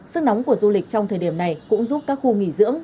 sức nóng của du lịch trong thời điểm này cũng giúp các khu nghỉ dưỡng